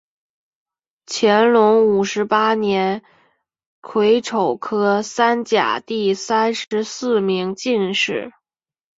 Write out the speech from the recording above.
乾隆五十八年癸丑科三甲第三十四名进士。